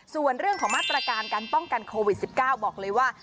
ส่วนเรื่องของมาตรการการป้องกันโควิด๑๙บอกเลยว่า